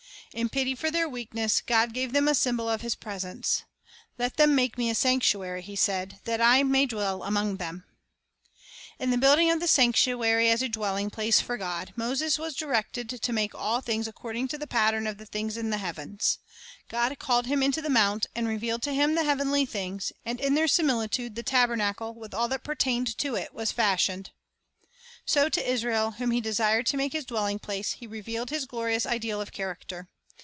In pity for their weakness, God gave them a symbol of His presence. "Let them make Me a sanctuary," He said; "that I may dwell among them." 1 In the building of the sanctuary as a dwelling place for God, Moses was directed to make all things accord ing to the pattern of things in the heavens. God called him into the mount, and revealed to him the heavenly things, and in their similitude the tabernacle, with all that pertained to it, was fashioned. So to Israel, whom He desired to make His dwelling place, He revealed His glorious ideal of character.